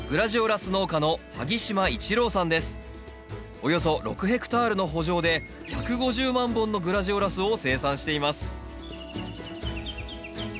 およそ６ヘクタールの圃場で１５０万本のグラジオラスを生産しています